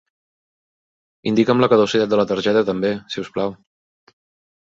Indica'm la caducitat de la targeta també, si us plau.